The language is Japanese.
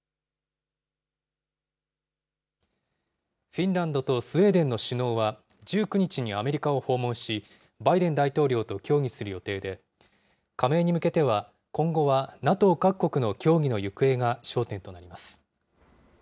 フィンランドとスウェーデンの首脳は、１９日にアメリカを訪問し、バイデン大統領と協議する予定で、加盟に向けては、今後はＮＡＴＯ各国の協議の行方が焦点となります。